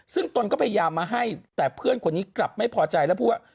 ซึ่งตนก็พยายามมาให้แต่เพื่อนคนนี้กลับไม่พอใจแล้วพูดว่า